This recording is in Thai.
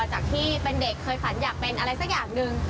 จากที่เป็นเด็กเคยฝันอยากเป็นอะไรสักอย่างหนึ่ง